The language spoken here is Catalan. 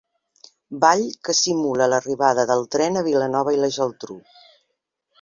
Ball que simula l'arribada del tren a Vilanova i la Geltrú.